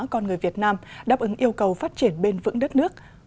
con người việt nam đáp ứng yêu cầu phát triển bền vững đất nước